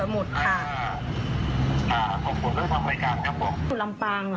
เฮ้ยลำปางเหรอ